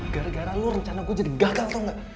gara gara lu rencana gue jadi gagal tau gak